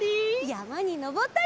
やまにのぼったり。